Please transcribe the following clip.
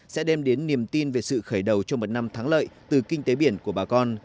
sẽ đem đến niềm tin về sự khởi đầu cho một năm thắng lợi từ kinh tế biển của bà con